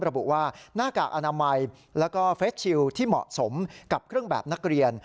ระบุว่าหน้ากากอนามัยแล้วก็เฟสชิลที่เหมาะสมกับเครื่องแบบนักเรียน